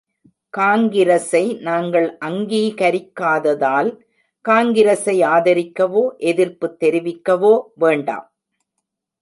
காங்கிரஸை நாங்கள் அங்கீகரிக்காததால் காங்கிரஸை ஆதரிக்கவோ எதிர்ப்பு தெரிவிக்கவோ வேண்டாம்!